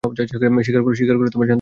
শিকার করা শান্তিযোগ্য অপরাধ।